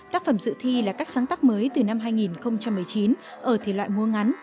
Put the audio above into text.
tác phẩm dự thi là các sáng tác mới từ năm hai nghìn một mươi chín ở thể loại múa ngắn